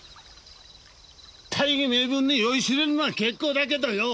大義名分に酔いしれるのは結構だけどよ